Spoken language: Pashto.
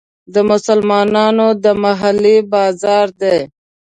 د مسلمانانو د محلې بازار دی.